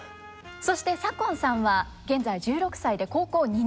そして左近さんは現在１６歳で高校２年生。